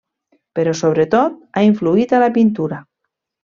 Però sobretot ha influït a la pintura.